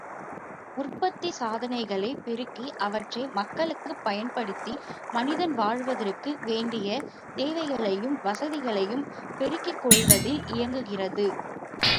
உற்பத்தி சாதனைகளைப் பெருக்கி அவற்றை மக்களுக்குப் பயன்படுத்தி மனிதன் வாழ்வதற்கு வேண்டிய தேவைகளையும் வசதிகளையும் பெருக்கிக்கொள்வதில் இயங்குகிறது.